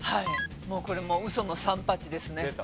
もうこれウソのサンパチですね。